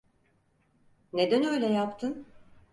Neden öyle yaptın?